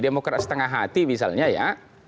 demokrat setengah hati misalnya ya